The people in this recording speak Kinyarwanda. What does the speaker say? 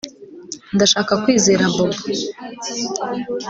Ndashaka kwizera Bobo